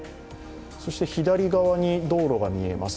そして左側に道路が見えます。